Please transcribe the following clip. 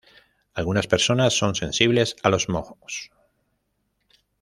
Algunas personas son sensibles a los mohos.